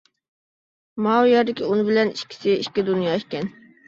ماۋۇ يەردىكى ئۇن بىلەن ئىككىسى ئىككى دۇنيا ئىكەن.